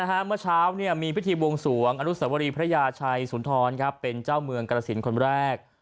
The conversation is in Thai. เพราะว่าเมื่อเช้าเนี่ยมีพฤทธิบวงสวงอรุษวรีพระยาชัยสุนทรนะครับเป็นเจ้าเมืองกรสินส์คนแรก